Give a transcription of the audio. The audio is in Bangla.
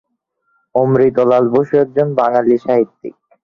অমৃতলাল বসু একজন বাঙালি সাহিত্যিক।